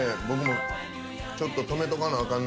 僕もちょっと止めとかなあ